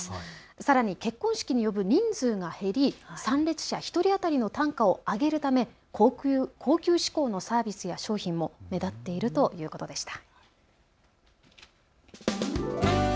さらに結婚式に呼ぶ人数が減り参列者１人当たりの単価を上げるため高級志向のサービスや商品も目立っているということでした。